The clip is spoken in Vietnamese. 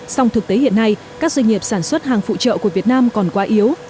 song thực tế hiện nay các doanh nghiệp sản xuất hàng phụ trợ của việt nam còn quá yếu